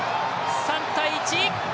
３対１！